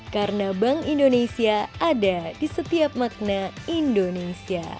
karena bank indonesia ada di setiap makna indonesia